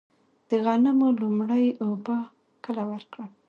د غنمو لومړۍ اوبه کله ورکړم؟